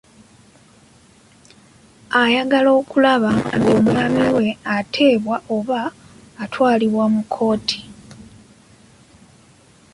Ayagala okulaba ng'omwami we ateebwa oba atwalibwa mu kkooti.